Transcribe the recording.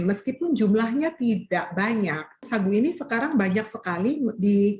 meskipun jumlahnya tidak banyak sagu ini sekarang banyak sekali di